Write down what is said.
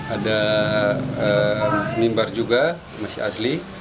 ada mimbar juga masih asli